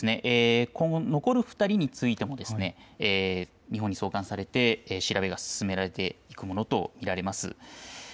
残る２人についても日本に送還されて調べが進められていくものと見られます。